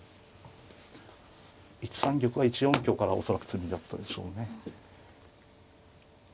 １三玉は１四香から恐らく詰みだったでしょうね。